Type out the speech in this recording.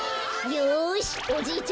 よしおじいちゃんいくぞ。